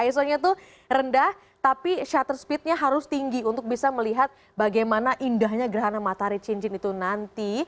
iso nya itu rendah tapi shutter speednya harus tinggi untuk bisa melihat bagaimana indahnya gerhana matahari cincin itu nanti